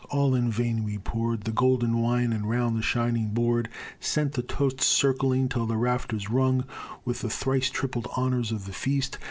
All in vain we pour'd The golden wine, and round the shining board Sent the toast circling, till the rafters rung With the thrice tripled honors of the feast!